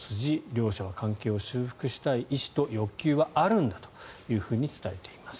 情報筋、両者は関係を修復したい意思と欲求はあるんだと伝えています。